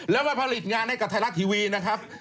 แล้วมาผลิตงานในกระทายลักษณ์ทีวีนะครับ